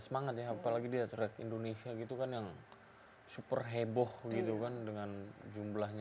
semangat ya apalagi dia track indonesia gitu kan yang super heboh gitu kan dengan jumlahnya